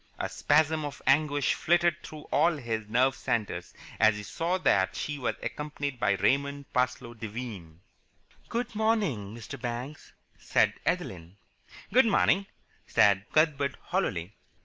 A spasm of anguish flitted through all his nerve centres as he saw that she was accompanied by Raymond Parsloe Devine. "Good morning, Mr. Banks," said Adeline. "Good morning," said Cuthbert hollowly.